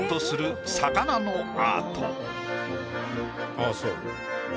ああそう。